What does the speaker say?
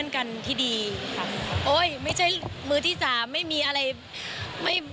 คือที่สามไม่มีอะไร